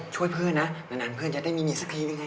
ช่วยเพื่อนนะนานเพื่อนจะได้ไม่มีสักทีหรือไง